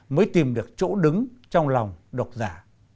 mới tìm được chỗ đứng trong lòng độc giả